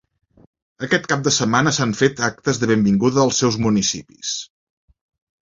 Aquest cap de setmana s’han fet actes de benvinguda als seus municipis.